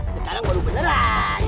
sekarang baru beneran